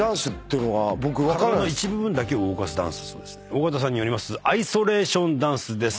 尾形さんによりますアイソレーションダンスです。